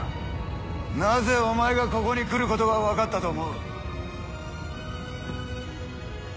なぜお前がここに来ることが分かったと思う？